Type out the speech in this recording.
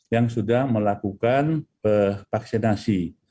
yang sudah melakukan vaksinasi